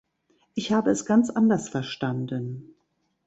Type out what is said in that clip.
Ich habe es ganz anders verstanden.